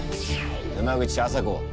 沼口麻子。